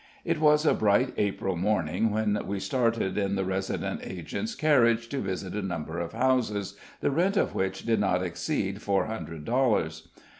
It was a bright April morning when we started in the resident agent's carriage, to visit a number of houses, the rent of which did not exceed four hundred dollars.